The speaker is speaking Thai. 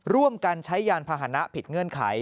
ร่วมกันใช้ยานพาหนะผิดเงื่อนไข